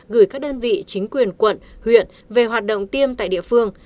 gửi các đơn vị chính quyền quận huyện về hoạt động tiêm tại địa phương